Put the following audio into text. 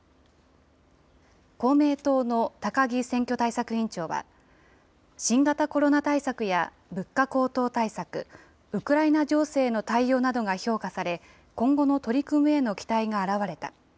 公明党の高木選挙対策委員長は、新型コロナ対策や物価高騰対策、ウクライナ情勢への対応などが評価され、今後の取り組みへの期待があらわれた。